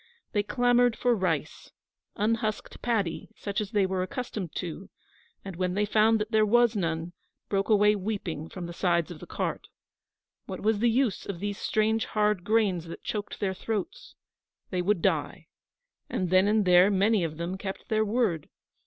They clamoured for rice unhusked paddy, such as they were accustomed to and, when they found that there was none, broke away weeping from the sides of the cart. What was the use of these strange hard grains that choked their throats? They would die. And then and there were many of them kept their word.